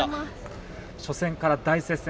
初戦から大接戦。